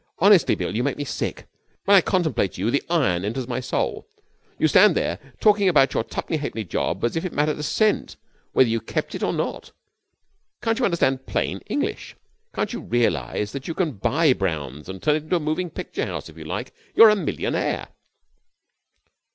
Honestly, Bill, you make me sick. When I contemplate you the iron enters my soul. You stand there talking about your tuppenny ha'penny job as if it mattered a cent whether you kept it or not. Can't you understand plain English? Can't you realize that you can buy Brown's and turn it into a moving picture house if you like? You're a millionaire!'